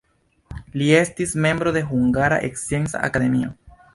Li estis membro de Hungara Scienca Akademio.